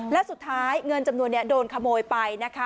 และสุดท้ายเงินจำนวนนี้โดนขโมยไปนะคะ